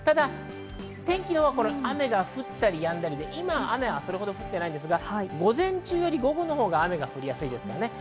天気は雨が降ったりやんだり、今はそれほど降っていないんですが、午後のほうが雨が降りやすいです。